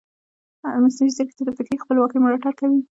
مصنوعي ځیرکتیا د فکري خپلواکۍ ملاتړ کوي.